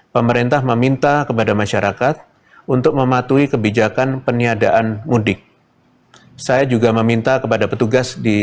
pemerintah zusammenfis pemerintah